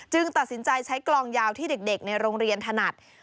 ตัดสินใจใช้กลองยาวที่เด็กในโรงเรียนถนัด